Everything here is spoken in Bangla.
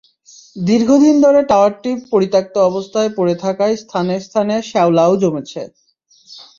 দীর্ঘদিন ধরে টাওয়ারটি পরিত্যক্ত অবস্থায় পড়ে থাকায় স্থানে স্থানে শেওলাও জমেছে।